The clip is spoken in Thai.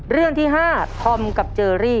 เรื่องที่๕ธอมกับเจอรี่